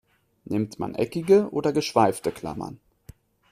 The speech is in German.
Nimmt man eckige oder geschweifte Klammern?